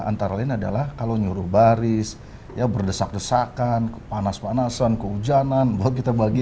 antara lain adalah kalau nyuruh baris ya berdesak desakan kepanas panasan kehujanan buat kita bagi